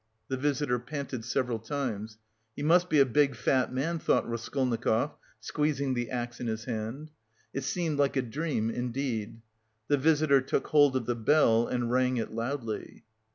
The visitor panted several times. "He must be a big, fat man," thought Raskolnikov, squeezing the axe in his hand. It seemed like a dream indeed. The visitor took hold of the bell and rang it loudly.